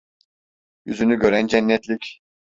Yüzünü gören cennetlik.